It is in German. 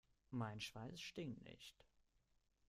Mein Schweiß stinkt nicht.